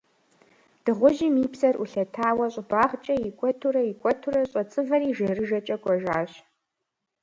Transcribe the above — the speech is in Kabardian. Дыгъужьым и псэр Ӏулъэтауэ, щӀыбагъкӀэ икӀуэтурэ, икӀуэтурэ щӀэцӀывэри жэрыжэкӀэ кӀуэжащ.